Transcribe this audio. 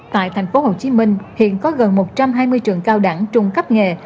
tại tp hcm hiện có gần một trăm hai mươi trường cao đẳng trung cấp nghề